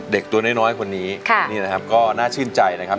ตัวน้อยคนนี้นี่นะครับก็น่าชื่นใจนะครับ